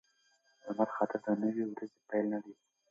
لمرخاته د نوې ورځې پیل نه دی.